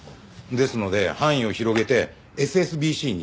ですので範囲を広げてＳＳＢＣに今頼んでます。